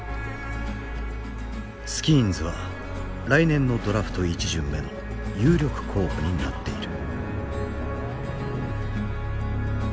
スキーンズは来年のドラフト１巡目の有力候補になっている。